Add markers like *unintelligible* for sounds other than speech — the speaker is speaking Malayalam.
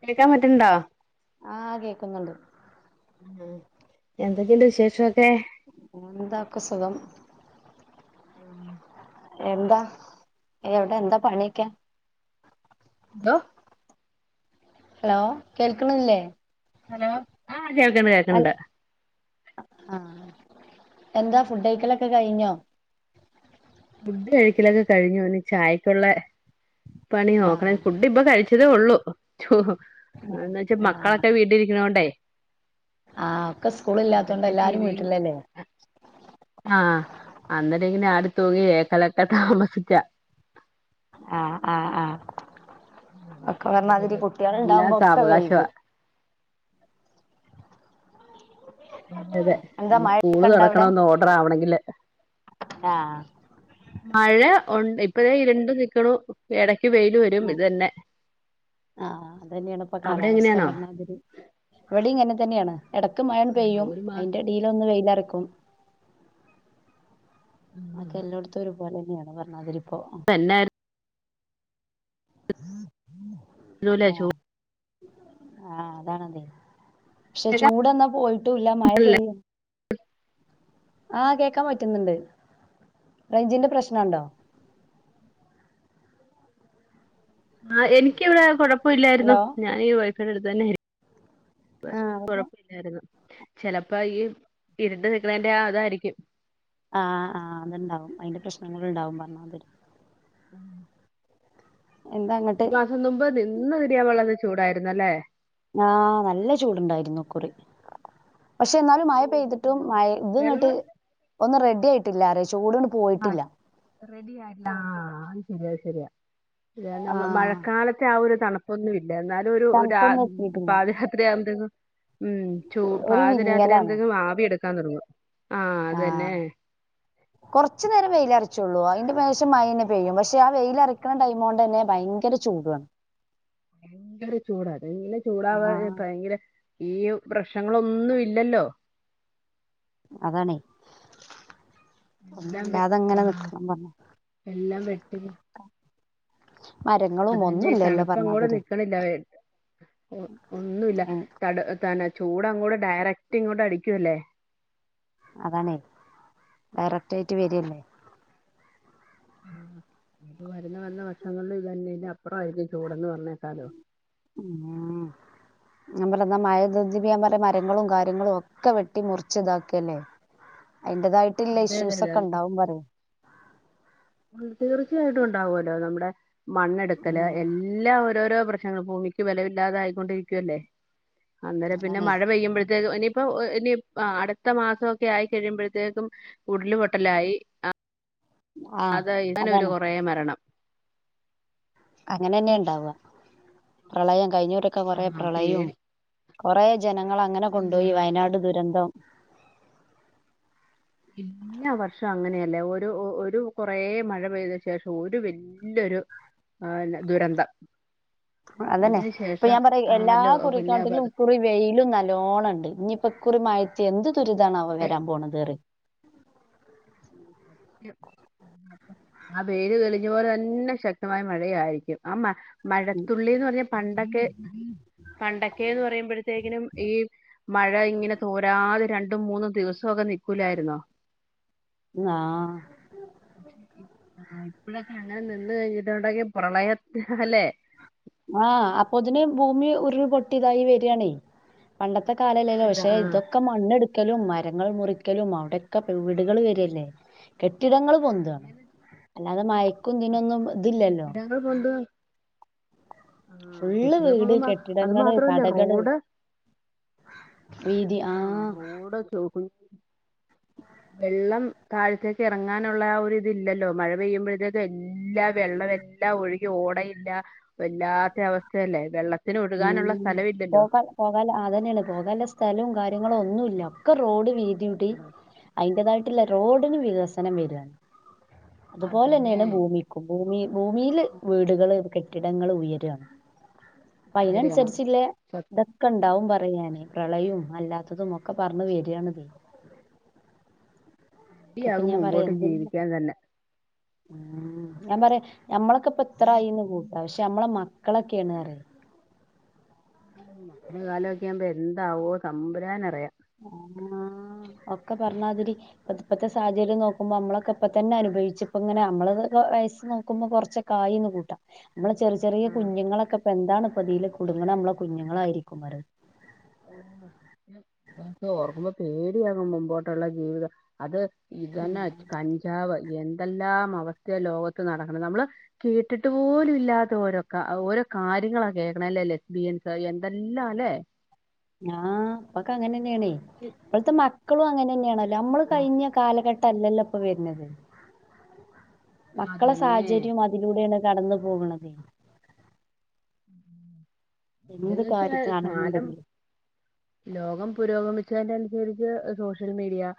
കേൾക്കാൻ പറ്റുന്നുണ്ടോ ആഹ് കേക്കുന്നുണ്ട് ആഹ് എന്തൊക്കെണ്ട് വിശേഷോക്കെ ഫോണെന്താക്ക് സുഖം ആഹ് എന്താ ഈയ് എവിടെ എന്താ പണിയൊക്കെ ന്തൊ ഹലോ കേൾക്കണില്ലേ ഹലോ ആഹ് കേൾക്ക്ണ്ട് അൽ കേൾക്ക്ണ്ട് ആഹ് എന്താ ഫുഡ് കൈക്കലൊക്കെ കഴിഞ്ഞോ ഫുഡ് കഴിക്കലൊക്കെ കഴിഞ്ഞു ഇനി ചായക്കുള്ളെ പണി നോക്കണം ആഹ് ഫുഡ് ഇപ്പൊ കഴിച്ചതേ ഒള്ളൂ എന്ന് വെച്ച് ആഹ് മക്കളൊക്കെ വീട്ടിലിരിക്കണോണ്ടേ ആഹ് ഒക്കെ സ്കൂള് ഇല്ലാത്തോണ്ട് അതൊക്കെ ടി എല്ലാരും വി വീട്ടിലല്ലേ ആഹ് അന്നെരം ഇങ്ങനെ ആടി തൂങ്ങി ഏക്കലൊക്കെ താമസിച്ചാ ആഹ് ആഹ് ആഹ് ഒക്കെ പറഞ മാതിരി എല്ലാം കുട്ടികൾണ്ടാവുമ്പോ ഒക്കെ സാവകാശവാ വൈകും അതെ അതെ എന്താ ഇനി സ്കൂള് മഴയൊക്കെ ഇണ്ട അവിടെ തുറക്കണം ഒന്ന് ഓർഡർ ആവണെങ്കില് ആഹ് മഴ ഒണ്ട് ഇപ്പഴേ ഇരുണ്ടു നിക്കണു എടക്ക് വെയില് വരും ഇത് തന്നെ ആഹ് ആഹ് അത് തന്നെയാണ് ഇപ്പൊ അവിടെ കാലാവസ്ഥ എങ്ങനെയാണോ പറഞ്ഞ മാതിരി ഇവിടിം ഇങ്ങനെ തന്നെയാണ് എടക്ക് മഴാന്ന് ആഹ് പെയ്യും ഒരു മാസ അയിന്റെ എടീലൊന്ന് വെയിലറക്കും ബാക്കി എല്ലായിടത്തും ഒരുപോലെ തന്നെയാണ് പറഞ്ഞാതിരി ഇപ്പോ എന്നാർ വരൂലേചൂ ആഹ് ആഹ് അതാണതെ പക്ഷെ ചൂടെന്നാ പോയിട്ടുല്ല മഴ പെയ്യും ആഹ് കേൾക്കാൻ പ റ്റുന്നുണ്ട് റേഞ്ചിന്റെ പ്രശ്നമുണ്ടോ ആ എനിക്കിവിടെ കുഴപ്പമില്ലായിരുന്നു ഹലോ ഞാൻ ഈ വൈഫൈടെ അടുത്ത് തന്നെ ആയിരു ആഹ് അവിടുന്ന് കൊഴപ്പ് ര്ന്ന് ചിലപ്പോ ഈ ഇരുണ്ട് നിക്കണേന്റെ ആ ഇതാരിക്കും ആഹ് ആഹ് അതുണ്ടാവും അതിന്റെ പ്രശ്നങ്ങൾണ്ടാവും പറഞ്ഞമാതിരി എന്താ അങ്ങട്ട് ഇതിനും മുമ്പ് നിന്ന് തിരിയാൻള്ള്ളത് ചൂടായിരുന്നു അല്ലേ ആഹ് നല്ല ചൂടുണ്ടായിരുന്നു ഇകുറി പക്ഷെ എന്നാലും മഴ പെയ്തിട്ടും മഴ ഇത് ഇങ്ങോട്ട് വെള്ളം ഒന്നും റെഡി ആയിട്ടില്ല അരെ ചൂട് ആഹ് റെഡി ആയിട്ടില്ല ആഹ് അത് ശരിയ ശരിയ അ ന ആഹ് മഴക്കാലത്തെ ആ ഒരു തണു ഒന്നുമില്ല എന്നാലും ഒരു തണുപ്പൊന്നും എത്തിയിട്ടില്ല പാതി രാത്രി ആവുമ്പോതീനും ഉം ചൂ ഒരു പാതി രാത്രി വിങ്ങലാണ് ആകുമ്പോഴേയ്ക്കും ആവി എടുക്കാൻ തൊടങ്ങും ആഹ് അത് തന്നെ. *inaudible* കൊറച്ചു നേരം വെയിലരച്ചോളൂ അതിന്റെ പ്രാവിശ്യം മയ തന്നെ പെയ്യും പക്ഷെ ആ വെയിലറക്കിക്കുന്ന ടൈം കൊണ്ട് തന്നെ ഭയങ്കര- ചൂടുവാണ് ഭയങ്കര ചൂടാതെ ഇന്ന് ആഹ് ചൂടാവാതെ ഭയങ്കര- ഈ പ്രശ്നങ്ങളൊന്നും ഇല്ലല്ലോ അതാണേ എല്ലാം ഒന്നുല്ലാതെ വെയ്ക്കൽ അങ്ങനെ ആഹ് നിക്കണം പറഞ്ഞു എല്ലാം വെക്കല് മരങ്ങളും അത് തന്നെ ഒന്നുംല്ലല്ലോ തണുപ്പങ്ങൊട് പറഞ്ഞാതിരി നിക്കണില്ല ഒന്നുമല്ല തണൽ ചൂട് അങ്ങോട് ഡയറക്ട് ഇങ്ങോട്ട് അടിക്കുംല്ലേ അതാണേ ഡയറക്ട് ആയിട്ട് വരില്ലേ ആഹ് ഇത് വരുന്ന വരുന്നു വർഷങ്ങളിൽ ഇത് തന്നെ ഇതിന്റപ്പുറ ആയിരിക്കും ചൂടെന്ന് പറഞ്ഞേക്കാലോ *inaudible* ഞാൻ പറഞ്ഞു മഴതി *unintelligible* പ്യാ പറല മരങ്ങളും കാര്യങ്ങളും ഒക്കെ വെട്ടി മുറിച്ച് ഇതാക്കി അല്ലേ അതിന്റേതായിട്ടല്ല അതെ അതെ ഇഷ്യൂസ് അതെ ഒക്കെ ഉണ്ടാവും പറയും തീർച്ചയായിട്ടും ഒണ്ടാവുമല്ലോ നമ്മുടെ മണ്ണെടുക്കല് ഉം എല്ലാ ഓരോരോ- പ്രശ്നങ്ങള് ഭൂമിക്ക് ബലം ഇല്ലാതെ ആയിക്കൊണ്ടിരിക്കുവല്ലേ അന്നേരം പിന്നെ അതാണേ മഴ പെയ്യുമ്പോഴത്തേഴേക്കും ഇനി- ഇപ്പൊ ഇനി അടുത്ത മാസമൊക്കെ ആയി കഴിയുമ്പോഴത്തേക്കും ഉരുളു പൊട്ടലായി ആ അത് ഇങ്ങനെ ഒരു അതാണ് കൊറേ മരണം അങ്ങനെ തന്നെയ ഉണ്ടാവുക പ്രളയം കഴിഞ്ഞൂരൊക്കെ കൊറേ ആ പേടി പ്രളയവും- കൊറേ ജനങ്ങള് അങ്ങനെ അള്ളാ കൊണ്ടുപോയി വയനാട് ദുരന്തം. എല്ലാം വർഷം അങ്ങനെയല്ലേ ഒരു ഒരു കൊറേ മഴ പെയ്ത ശേഷം ഒരു വ്യക്തി- നല്ലൊരു ആഹ് പിന്നെ ദുരന്തം അതന്നെ അതിന് ഇപ്പൊ ശേഷം ഞാൻ പറയും എല്ലാ ആണല്ലോ പിന്നെ കുറിക്കാട്ടിലും പതുക്കെ ഇക്കുറി വെയിലും നല്ലോണം- ഇണ്ട് ഇഞ്ഞി ഇപ്പൊ മയത്തു എന്ത് ദുരിതവാണോ വരാൻ പോണേ കേറി സത്യം ആ വെയില് തെളിഞ്ഞ പോലെ തന്നെ ശക്തമായ മഴയായിരിക്കും ആ മഴ - മഴത്തുള്ളീന്ന് പറഞ്ഞാ പണ്ടൊക്കെ പണ്ടൊക്കെന്ന് പറയുമ്പോഴത്തേക്കിനും ഈ- മഴ ഇങ്ങനെ തോരാതെ രണ്ടും മൂന്നും ദിവസമൊക്കെ നിൽക്കൂലായിരുന്നോ ആഹ് ഇപ്പഴൊക്കെ അങ്ങനെ നിന്ന് കഴിഞ്ഞിണ്ടൊങ്കിൽ പ്രളയത്തിൽ അല്ലെ ആഹ് അപ്പൊതിന് ഭൂമി ഉരുൾ പൊട്ടി ഇതായി വരികയാണേ പണ്ടത്തെ കാലല്ലല്ലോ ഒരു- പക്ഷെ ആ ഇതൊ ഒക്കെ മണ്ണെടുക്കലും മരങ്ങള് മുറിക്കലും അവിടെക്കെ വീടുകള് വരികല്ലേ. കെട്ടിടങ്ങൾ പൊന്തുവാണ് പിന്നെ അല്ലാതെ മയക്കും ഇതിനൊന്നും ഇതില്ലല്ലോ. പണ്ട് *unintelligible* ഫുള്ള് വീട് കെട്ടിടം അത് കെട്ടിടങ്ങള് മാത്രല്ല കടകള് റോഡ് വീ ടെ ജോ *unintelligible* *inaudible* വെള്ളം താഴത്തേക്ക് എറങ്ങാനുള്ള ഒരുരിതില്ലല്ലോ മഴ പെയ്യുമ്പോഴത്തേക്കും എല്ലാ വെള്ളം എല്ലാം - എല്ല ഒഴുകി ഓടയില്ല വല്ലാത്ത അവസ്ഥയല്ലേ വെള്ളത്തിന് ഒഴുകാനുള്ള സ്ഥലം ഇല്ലല്ലോ. പോകാലൊ അത് തന്നെയാണ് പോകാനുള്ള സ്ഥലവും കാര്യങ്ങളും ഒന്നും ഇല്ല ഒക്കെ റോഡ് വീതികൂട്ടി ആ, - അയ്ന്റെതായിട്ടുള്ള റോഡിന് വികസനം വരാണ് അതുപോലെ അതിനെ തന്നെയാണ് ഭൂമി ഭൂമി ഭൂമില് വീടുകള് കെട്ടിടങ്ങള് ഉയരുകയാണ് അപ്പൊ പേടിയാണ് അയ്നനുസരിചുള്ള ഇതൊക്കെ ഉണ്ടാവും പറയാനേ പ്രളയം അല്ലാത്തതും ഒക്കെ പറഞ്ഞു വരിയാണത് ഇപ്പൊ സത്യയാകും ഞാൻ പറയാ മുമ്പോട്ട് എ ജീവിക്കാൻ തന്നെ ഉം ഞാൻ പറയാ ഞമ്മളൊക്കെ ഇപ്പ ഇത്രായിന്ന് കൂട്ട പക്ഷെ നമ്മളെ മക്കളൊക്കെയാണ് അറ മക്കളടെ കാലമെക്കൊവുമ്പോ എന്താവോ താമ്പുരാനറിയാം ആഹ് ഒക്കെ പറഞ്ഞാതിരി ഇപ്പ ഇപ്പത്തൊ സാഹചര്യം നോക്കുമ്പോ നമ്മളക്കെപ്പൊ തന്നെ അനുഭവിച്ച ഇപ്പ ഇങ്ങനെ നമ്മള് വയസ് നോക്കുമ്പോൾ കുറൊച്ച ക്കായിന്ന് കൂട്ടാം നമ്മള് ചെറിയ ചെറിയ കുഞ്ഞുങ്ങളൊക്കെ ഇപ്പ എന്താണ് ഇപ്പതിൽ കുടുങ്ങണ നമ്മള കുഞ്ഞുങ്ങള ആയിരിക്കും ഓർക്കുമ്പോ പേടിയണ് മുമ്പോട്ടുള്ള ജീവിതം അത് ഇതന്നെ കഞ്ചാവ് എന്തെല്ലാം അവസ്ഥ ലോകത്ത് നടക്കണ നമ്മള് കേട്ടിട്ട് പോലും ഇല്ലാത്ത ഓരോ ഓരോ കാര്യങ്ങളാ കേക്കണല്ലേ ലെസ് ബീൻസ് എന്തെല്ലാം അല്ലേ ആഹ് ഇപ്പക്ക അങ്ങനെ തന്നെയാണേ ഇപ്പോഴത്തെ മക്കളും അങ്ങനെ തന്നെയാണല്ലോ നമ്മള് കഴിഞ്ഞ കാലഘട്ടല്ലല്ലോ ഇപ്പൊ വരുന്നത് മക്കളെ അതന്നെ സാഹചര്യം അതിലൂടെയാണ് കടന്നു പോകണത് എന്ന് എന്ത് വെച്ചാ കാലം കാര്യത്തിനാണെന്നുണ്ടെങ്കിലും ലോകം പുരോഗമിച്ചതിന്റെ അനുസരിച്ച് സോഷ്യൽ മീഡിയ